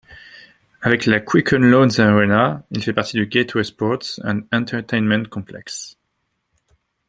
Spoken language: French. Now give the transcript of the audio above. Avec la Quicken Loans Arena, il fait partie du Gateway Sports and Entertainment Complex.